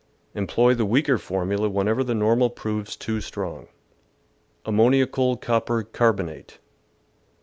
Employ the weaker formula whenever the normal proves too strong. Ammoniacal Copper Carbonate.